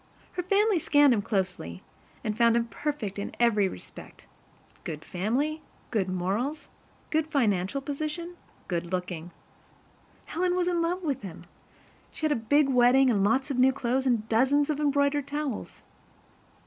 Her family scanned him closely, and found him perfect in every respect good family, good morals, good financial position, good looking. Helen was in love with him. She had a big wedding and lots of new clothes and dozens of embroidered towels.